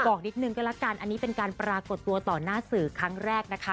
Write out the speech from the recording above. บอกนิดนึงก็ละกันอันนี้เป็นการปรากฏตัวต่อหน้าสื่อครั้งแรกนะคะ